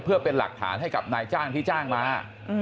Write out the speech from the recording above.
เพื่อเป็นหลักฐานให้กับนายจ้างที่จ้างมา